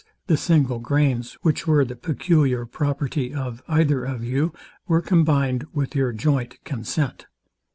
the single grains, which were the peculiar property of either of you, were combined with your joint consent.